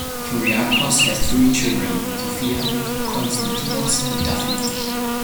Kyriakos has three children, Sofia, Konstantinos and Dafni.